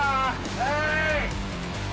・はい！